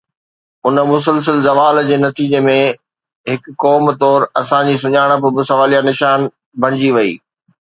ان مسلسل زوال جي نتيجي ۾ هڪ قوم طور اسان جي سڃاڻپ به سواليا نشان بڻجي وئي